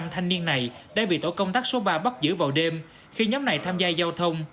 năm thanh niên này đã bị tổ công tác số ba bắt giữ vào đêm khi nhóm này tham gia giao thông